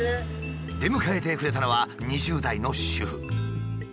出迎えてくれたのは２０代の主婦。